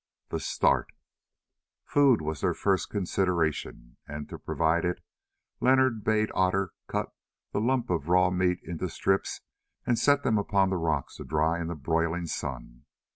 THE START Food was their first consideration, and to provide it Leonard bade Otter cut the lump of raw meat into strips and set them upon the rocks to dry in the broiling sun.